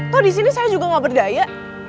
tau di sini saya juga gak berdaya